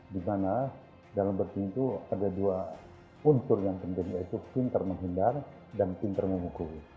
dimana dalam bertinju ada dua unsur yang penting yaitu pintar menghindar dan pintar memukul